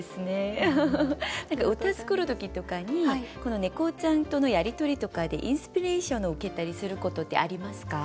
歌作る時とかにこの猫ちゃんとのやり取りとかでインスピレーションを受けたりすることってありますか？